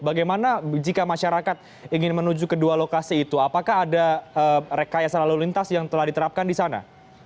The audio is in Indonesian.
bagaimana jika masyarakat ingin menuju ke dua lokasi itu apakah ada rekayasa lalu lintas yang telah diterapkan di sana